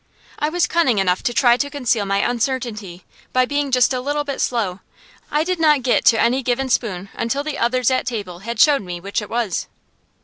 I was cunning enough to try to conceal my uncertainty; by being just a little bit slow, I did not get to any given spoon until the others at table had shown me which it was.